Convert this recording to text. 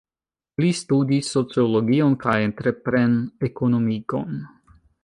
Li studis sociologion kaj entrepren-ekonomikon.